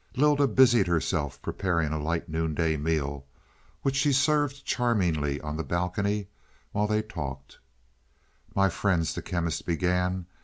Lylda busied herself preparing a light noonday meal, which she served charmingly on the balcony while they talked. "My friends," the Chemist began.